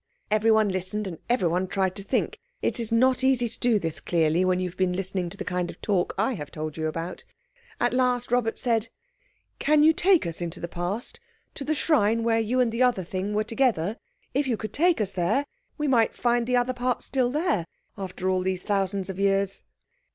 Everyone listened: and everyone tried to think. It is not easy to do this clearly when you have been listening to the kind of talk I have told you about. At last Robert said— "Can you take us into the Past—to the shrine where you and the other thing were together. If you could take us there, we might find the other part still there after all these thousands of years."